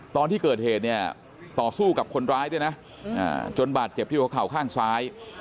ตอนที่เกิดเหตุเนี่ยต่อสู้กับคนร้ายด้วยนะจนบาดเจ็บที่หัวเข่าข้างซ้าย